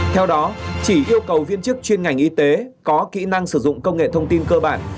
theo đó chỉ yêu cầu viên chức chuyên ngành y tế có kỹ năng sử dụng công nghệ thông tin cơ bản